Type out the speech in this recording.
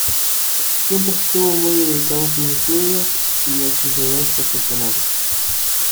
Siempre estuvo muy dedicado al estudio y a sus deberes profesionales.